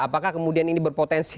apakah kemudian ini berpotensi